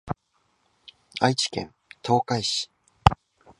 愛知県東海市